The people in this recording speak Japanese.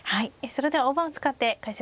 それでは大盤を使って解説をお願いいたします。